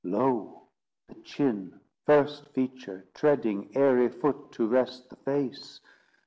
Lo, the chin, first feature, treading, Airy foot to rest the face!